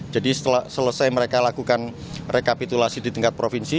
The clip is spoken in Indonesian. jadi setelah selesai mereka lakukan rekapitulasi di tingkat provinsi